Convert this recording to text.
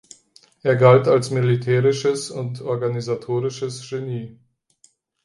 Er galt als militärisches und organisatorisches Genie.